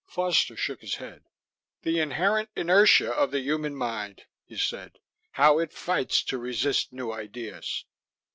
Foster shook his head. "The inherent inertia of the human mind," he said. "How it fights to resist new ideas."